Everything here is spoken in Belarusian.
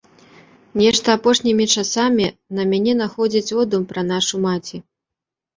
Нешта апошнімі часамі на мяне находзіць одум пра нашу маці.